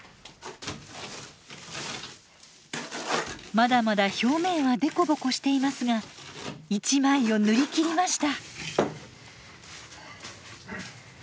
まだまだ表面は凸凹していますが１枚を塗りきりました。